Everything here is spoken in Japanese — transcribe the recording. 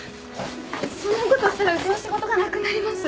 そんなことしたらうちの仕事がなくなります。